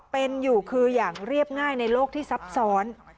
เป็นอยู่คืออย่างเรียบง่ายในโลกที่ซับซ้อน